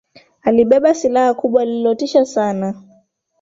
Alibeba silaha kubwa lililotisha sana.